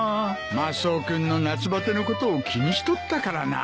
マスオ君の夏バテのことを気にしとったからな。